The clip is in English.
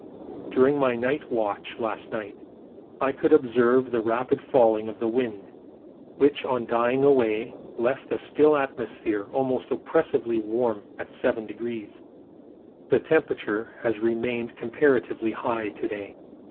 During my night watch last night I could observe the rapid falling of the wind, which on dying away left a still atmosphere almost oppressively warm at 7°. The temperature has remained comparatively high to day.